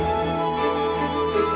apa bangun fa